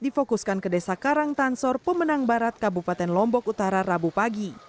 difokuskan ke desa karangtansor pemenang barat kabupaten lombok utara rabu pagi